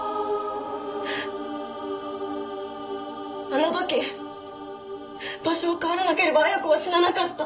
あの時場所を変わらなければ恵子は死ななかった。